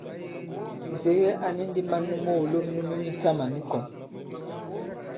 Nsège a ni ndī man nu moòlom nu myu misamà nu kɔ̀n.